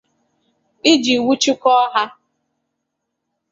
iji nwụchikọọ ha.